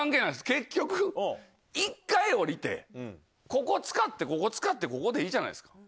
ここ使ってここ使ってここでいいじゃないですか。